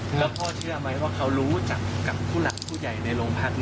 แล้วพ่อเชื่อไหมว่าเขารู้จักกับผู้หลักผู้ใหญ่ในโรงพัก